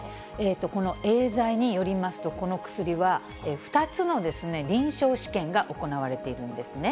このエーザイによりますと、この薬は２つの臨床試験が行われているんですね。